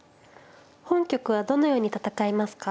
本局はどのように戦いますか。